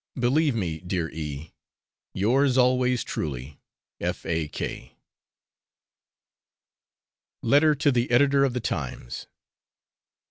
Believe me, dear E , Yours always truly, F.A.K. Letter to the Editor of the 'Times.'